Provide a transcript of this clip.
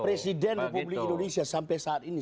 presiden republik indonesia sampai saat ini